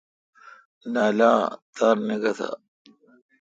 نننالاں تار نیکتہ۔؟